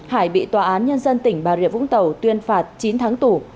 hải bị tòa án nhân dân tỉnh bà rịa vũng tàu tuyên phạt chín tháng tù